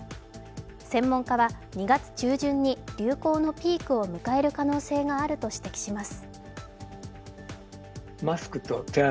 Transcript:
専門家は２月中旬に流行のピークを迎える可能性があると指摘します。